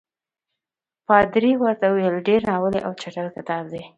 پادري ورته وویل ډېر ناولی او چټل کتاب دی.